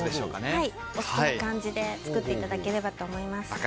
お好きな感じで作っていただければと思います。